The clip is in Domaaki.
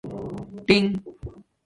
ٹَݣ